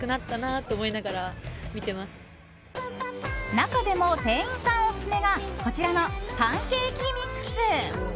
中でも店員さんオススメがこちらのパンケーキミックス。